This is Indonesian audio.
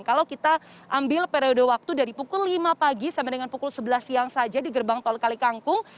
kalau kita ambil periode waktu dari pukul lima pagi sampai dengan pukul sebelas siang saja di gerbang tol kalikangkung